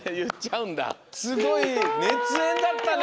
すごいねつえんだったね